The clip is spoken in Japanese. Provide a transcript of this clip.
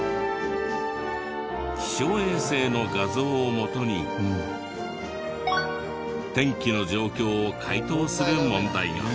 気象衛星の画像をもとに天気の状況を解答する問題が。